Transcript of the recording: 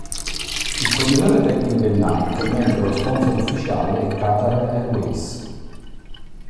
Il fornitore tecnico è "Nike", mentre lo sponsor ufficiale è "Qatar Airways".